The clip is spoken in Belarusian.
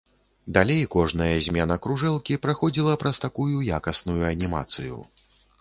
Далей кожная змена кружэлкі праходзіла праз такую якасную анімацыю.